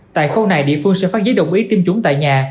tại khâu này địa phương sẽ phát giấy đồng ý tiêm chủng tại nhà